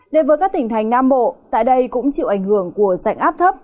đến với các tỉnh thành nam bộ tại đây cũng chịu ảnh hưởng của dạnh áp thấp